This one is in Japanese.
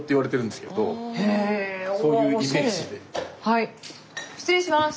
はい失礼します！